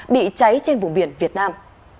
bị cháy trên vùng biển việt nam